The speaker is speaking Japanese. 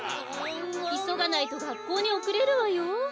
いそがないとがっこうにおくれるわよ。